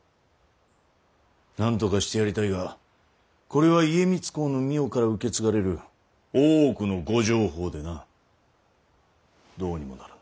なんとかしてやりたいがこれは家光公の御世から受け継がれる大奥のご定法でなどうにもならぬ。